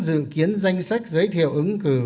dự kiến danh sách giới thiệu ứng cử